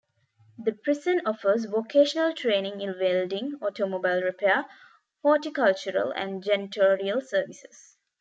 The prison offers vocational training in welding, automobile repair, horticultural, and janitorial services.